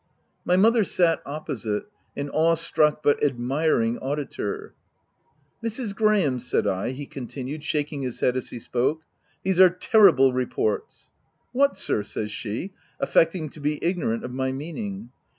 My mother sat opposite, an awe struck but admiring au ditor. si ' Mrs. Graham,' said I/' he continued shak ing his head as he spoke, "* these are terrible reports J' ' What sir?' says she, affecting to be ignorant of my meaning.